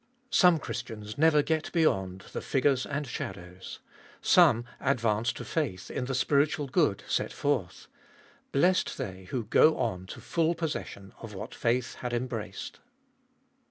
Some Christians never get beyond the figures and shadows ; some advance to faith in the spiritual good set forth ; blessed they who go on to full possession of what faith had embraced.